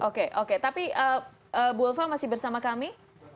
oke oke tapi bu ulfa masih bersama kami